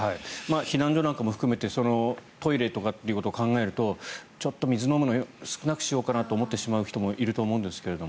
避難所なんかも含めてトイレとかってことを考えるとちょっと水飲むのを少なくしようかなと思ってしまう方もいるかと思いますが。